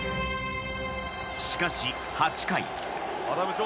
しかし、８回。